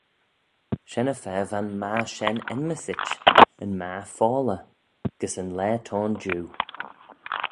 Shen-y-fa va'n magher shen enmyssit, Yn magher-foalley, gys y laa t'ayn jiu.